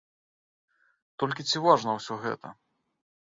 Толькі ці важна ўсё гэта?